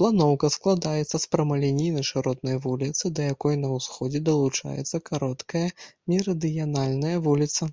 Планоўка складаецца з прамалінейнай шыротнай вуліцы, да якой на ўсходзе далучаецца кароткая мерыдыянальная вуліца.